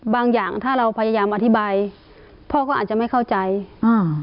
บางอย่างถ้าเราพยายามอธิบายพ่อก็อาจจะไม่เข้าใจอ่า